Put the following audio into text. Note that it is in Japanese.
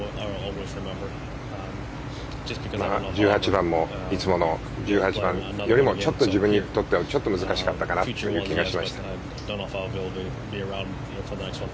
１８番も、いつもの１８番よりも自分にとってはちょっと難しかったかなという気がしました。